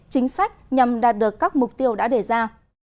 chính sách nhằm đạt được các mục tiêu đã đề ra